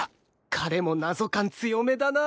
彼も謎感強めだな